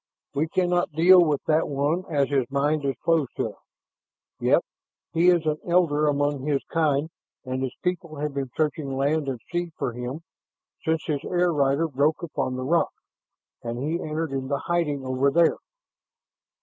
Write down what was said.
"We cannot deal with that one as his mind is closed to us. Yet he is an elder among his kind and his people have been searching land and sea for him since his air rider broke upon the rocks and he entered into hiding over there.